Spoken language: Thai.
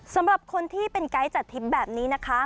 สำหรับคนที่เป็นไกด์จัดทริปแบบนี้นะคะ